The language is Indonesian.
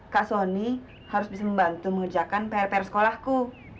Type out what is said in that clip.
kak soni harus bisa membantu mengerjakan pr pr sekolahku